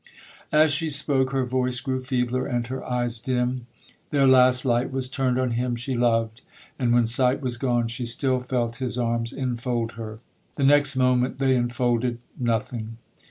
'As she spoke, her voice grew feebler, and her eyes dim—their last light was turned on him she loved; and when sight was gone, she still felt his arms enfold her. The next moment they enfolded—nothing!